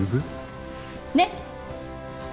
ねっ？